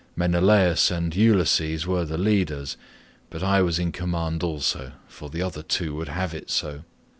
Menelaus and Ulysses were the leaders, but I was in command also, for the other two would have it so.